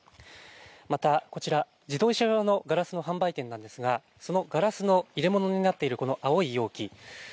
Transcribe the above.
またこちら、自動車用のガラスの販売店なんですが、そのガラスの入れ物になっているこの青い容器。